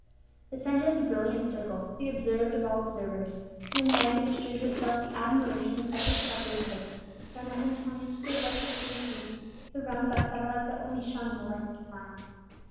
The centre of the brilliant circle, the observed of all observers, the magnet which drew to itself the admiration of every cavalier present Donna Antonia stood like the queen of beauty, surrounded by satellites that only shone in the light of her smile.